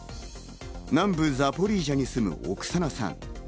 南部ザポリージャに住むオクサナさん。